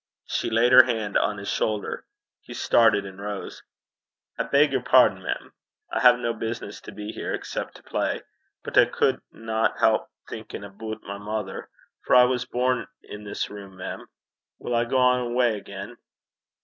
She laid her hand on his shoulder. He started and rose. 'I beg yer pardon, mem. I hae no business to be here, excep' to play. But I cudna help thinkin' aboot my mother; for I was born in this room, mem. Will I gang awa' again?'